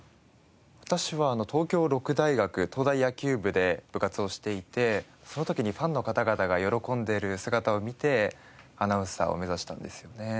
私は東京六大学東大野球部で部活をしていてその時にファンの方々が喜んでいる姿を見てアナウンサーを目指したんですよね。